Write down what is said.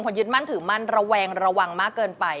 คุณยึดมั่นและถือมั่นมากเขาระแวงมากเลย